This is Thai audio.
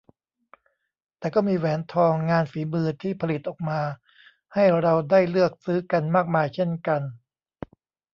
แต่ก็มีแหวนทองงานฝีมือที่ผลิตออกมาให้เราได้เลือกซื้อกันมากมายเช่นกัน